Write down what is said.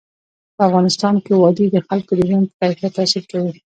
په افغانستان کې وادي د خلکو د ژوند په کیفیت تاثیر کوي.